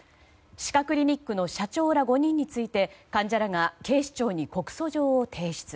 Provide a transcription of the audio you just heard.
歯科クリニックの社長ら５人について患者らが警視庁に告訴状を提出。